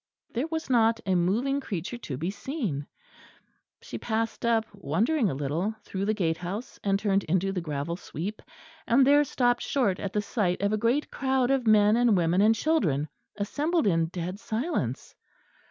There was not a moving creature to be seen. She passed up, wondering a little, through the gatehouse, and turned into the gravel sweep; and there stopped short at the sight of a great crowd of men and women and children, assembled in dead silence.